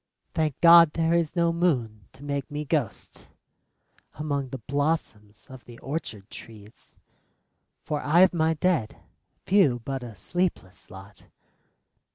... Thank God there is no moon to make me ghosts Among the blossoms of the orchard trees! For I've my dead — few, but a sleepless lot.